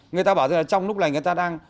người ta bảo rằng là trong lúc này người ta đang